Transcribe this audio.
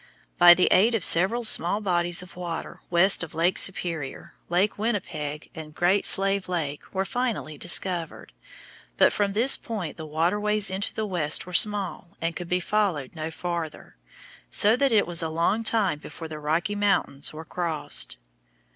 By the aid of several small bodies of water west of Lake Superior, Lake Winnipeg and Great Slave Lake were finally discovered; but from this point the waterways into the West were small and could be followed no farther, so that it was a long time before the Rocky Mountains were crossed.